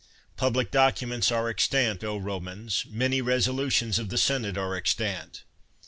Public documents are extant, O Romans ; many resolutions of the senate are extant.